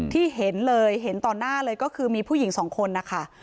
ที่เห็นเลยเห็นต่อหน้าเลยก็คือมีผู้หญิงสองคนนะคะ